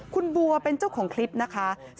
คุณบัวเป็นเจ้าของคลิปนะคะ